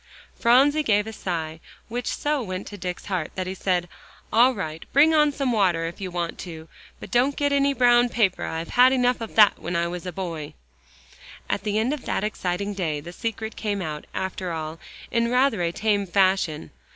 Phronsie gave a sigh, which so went to Dick's heart, that he said, "All right, bring on some water if you want to. But don't get any brown paper; I had enough of that when I was a boy." And at the end of that exciting day, the secret came out, after all, in rather a tame fashion.